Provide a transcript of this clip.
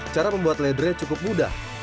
cara membuat ledre cukup mudah